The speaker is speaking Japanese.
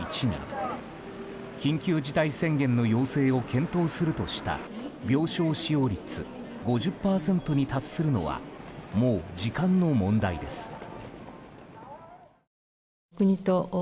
緊急事態宣言の要請を検討するとした病床使用率５０％に達するのはもう時間の問題です。